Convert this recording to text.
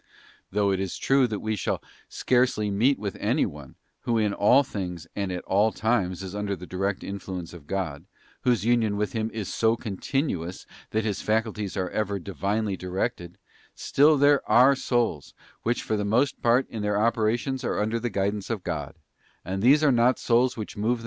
Though it is true that we shall scarcely meet with anyone, who in all things and at all times is under the direct influence of God, whose union with Him is so continuous that his faculties are ever Divinely directed; still there are souls, which for the most part in their operations are under the EVILS OF UNDISCIPLINED MEMORY.